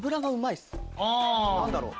何だろう？